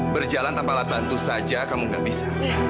berjalan tanpa alat bantu saja kamu nggak bisa